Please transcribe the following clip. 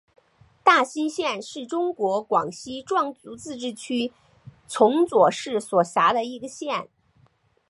大新县是中国广西壮族自治区崇左市所辖的一个县。